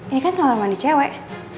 ini kan tanggal mandi cewek